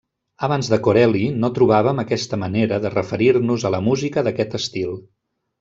Abans de Corelli no trobàvem aquesta manera de referir-nos a la música d'aquest estil.